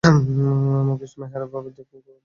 মুকেশ মেহরা ভাবে যে খুন করে সে বেঁচে গেছে।